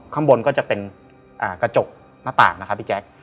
ข้างบนก็จะเป็นกระจกหน้าต่างนะครับพี่แจ๊ค